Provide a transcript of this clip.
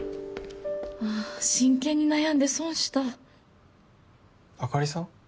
あ真剣に悩んで損したあかりさん？